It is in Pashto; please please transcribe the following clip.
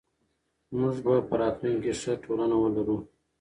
موږ به په راتلونکي کې ښه ټولنه ولرو.